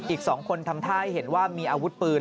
อีก๒คนทำท่าให้เห็นว่ามีอาวุธปืน